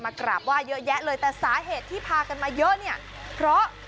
กราบไหว้เยอะแยะเลยแต่สาเหตุที่พากันมาเยอะเนี่ยเพราะ